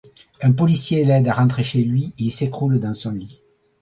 Un policier l’aide à rentrer chez lui et il s’écroule dans son lit.